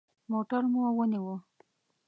موټر مو ونیوه.